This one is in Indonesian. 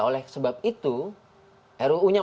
oleh sebab itu ruu nya